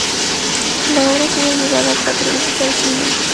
La obra ha sido llevada cuatro veces al cine.